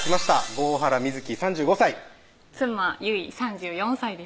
郷原瑞樹３５歳妻・結衣３４歳です